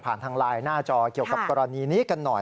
ทางไลน์หน้าจอเกี่ยวกับกรณีนี้กันหน่อย